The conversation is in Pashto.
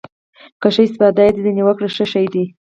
که ښه استفاده دې ځنې وکړه ښه شى ديه.